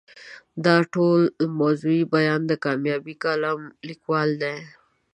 دا ټول موضوعي بیان د کامیاب کالم لیکوال دی.